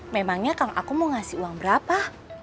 memangnya kang akum mau ngasih uang berapa